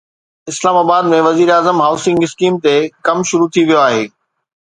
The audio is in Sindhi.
اسلام آباد ۾ وزيراعظم هائوسنگ اسڪيم تي ڪم شروع ٿي ويو آهي